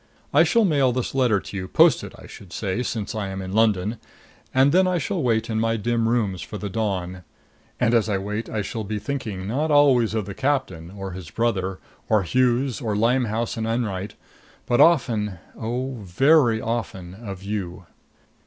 I shall mail this letter to you post it, I should say, since I am in London and then I shall wait in my dim rooms for the dawn. And as I wait I shall be thinking not always of the captain, or his brother, or Hughes, or Limehouse and Enwright, but often oh, very often of you.